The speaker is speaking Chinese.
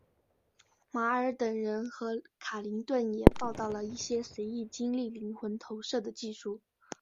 马尔等人和卡林顿也报道了一些随意经历灵魂投射的技术。